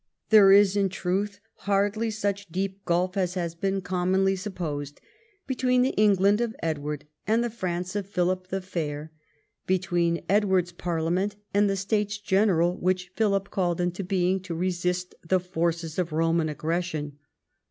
There is, in truth, hardly such deep gulf as has been commonly supposed between the England of EdAvard and the France of Philip the Fair ; betAveen EdAvard's parlia ment and the States General AA'hich Pliilip called into being to resist the forces of Roman aggression.